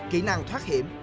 kỹ năng thoát hiểm